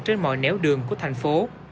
trên mọi nẻo đường của thành phố